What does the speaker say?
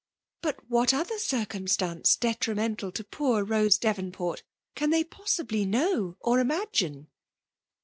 " But what other drcumstance detrimental to poor Bose Devonport can they possibly know or imagine